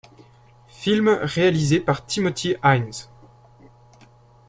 Film réalisé par Timothy Hines.